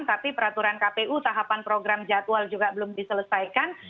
tapi peraturan kpu tahapan program jadwal juga belum diselesaikan